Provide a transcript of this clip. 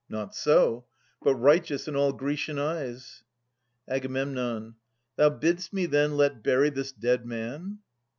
Not so, but righteous in all Grecian eyes. Ag. Thou bidst me then let bury this dead man?